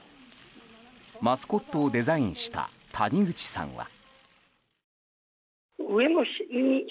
マスコットをデザインした谷口さんは。